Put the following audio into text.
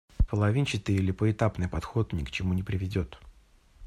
Половинчатый или поэтапный подход ни к чему не приведет.